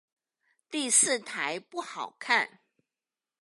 第四台不好看